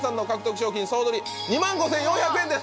賞金総取り２万５４００円です！